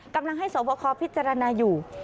กำลังให้สวบคอพิจารณาอยู่